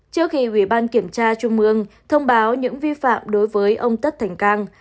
trước khi ủy ban kiểm tra trung ương thông báo những vi phạm đối với ông tất thành cang